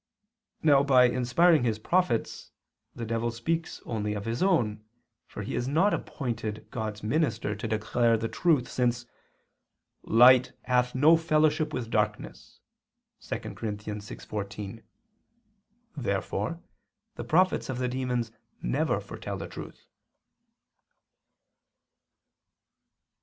Now by inspiring his prophets, the devil speaks only of his own, for he is not appointed God's minister to declare the truth, since "light hath no fellowship with darkness [*Vulg.: 'What fellowship hath light with darkness?']" (2 Cor. 6:14). Therefore the prophets of the demons never foretell the truth.